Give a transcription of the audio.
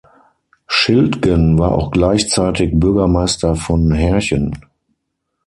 Schildgen war auch gleichzeitig Bürgermeister von Herchen.